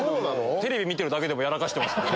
テレビ見てるだけでもやらかしてる。